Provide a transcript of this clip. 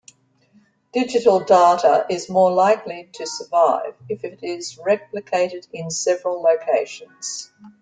Digital data is more likely to survive if it is replicated in several locations.